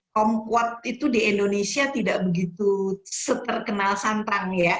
komkuat itu di indonesia tidak begitu seterkenal santang ya